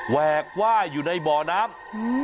แวกว่ายอยู่ในบ่อน้ำ